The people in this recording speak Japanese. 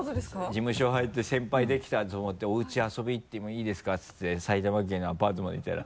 事務所入って先輩できたと思って「おうち遊びに行ってもいいですか？」っていって埼玉県のアパートまで行ったら。